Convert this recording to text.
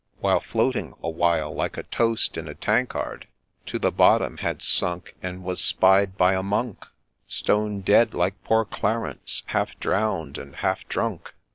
After floating awhile, like a toast in a tankard, To the bottom had sunk, And was spied by a monk, Stone dead, like poor Clarence, half drown'd and half drunk.